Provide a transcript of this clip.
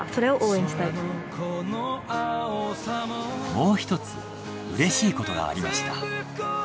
もう一つうれしいことがありました。